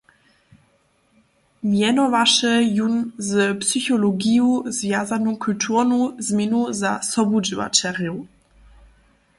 Mjenowaše jón z psychologiju zwjazanu kulturnu změnu za sobudźěłaćerjow.